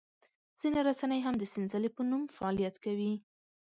ځینې رسنۍ هم د سنځلې په نوم فعالیت کوي.